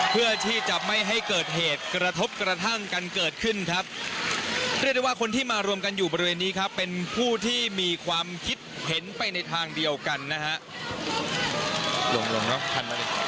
เพื่อที่จะไม่ให้เกิดเหตุกระทบกระทั่งกันเกิดขึ้นครับเรียกได้ว่าคนที่มารวมกันอยู่บริเวณนี้ครับเป็นผู้ที่มีความคิดเห็นไปในทางเดียวกันนะฮะ